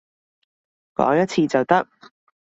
講一次就得